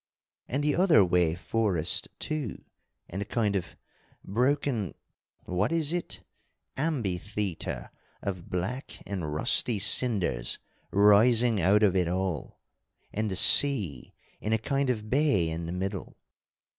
And the other way forest, too, and a kind of broken what is it? ambytheatre of black and rusty cinders rising out of it all, and the sea in a kind of bay in the middle.